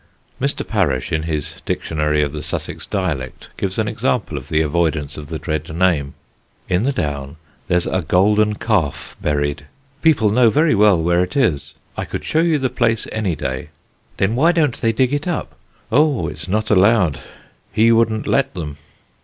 Mr. Parish, in his Dictionary of the Sussex Dialect, gives an example of the avoidance of the dread name: "'In the Down there's a golden calf buried; people know very well where it is I could show you the place any day.' 'Then why don't they dig it up? 'Oh, it's not allowed: he wouldn't let them.'